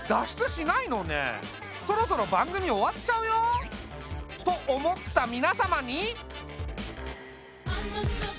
そろそろ番組終わっちゃうよ。と思った皆様に！